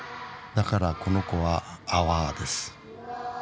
だからこの子はアワーです。